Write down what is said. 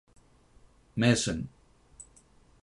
Mason.